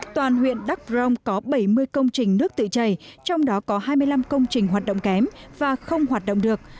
toàn huyện đắk rông có bảy mươi công trình nước tự chảy trong đó có hai mươi năm công trình hoạt động kém và không hoạt động được